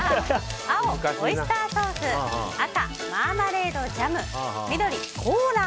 青、オイスターソース赤、マーマレードジャム緑、コーラ。